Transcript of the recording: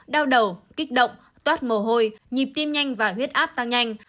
đau đầu kích động toát mồ hôi nhịp tim nhanh và huyết áp tăng nhanh